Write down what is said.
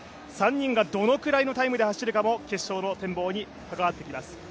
３人がどのくらいのタイムで走るかも決勝の展望に関わってきます。